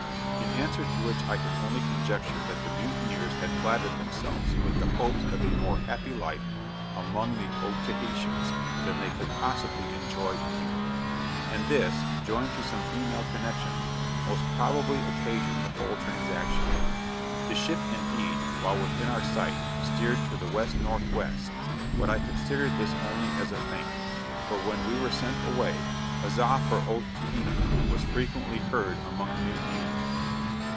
In answer to which I can only conjecture that the mutineers had flattered themselves with the hopes of a more happy life among the Otaheitans than they could possibly enjoy in England; and this, joined to some female connexions, most probably occasioned the whole transaction. The ship, indeed, while within our sight, steered to the W.N.W., but I considered this only as a feint; for when we were sent away, "Huzza for Otaheite!" was frequently heard among the mutineers.